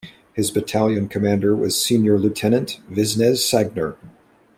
His battalion commander was Senior Lieutenant Vinzenz Sagner.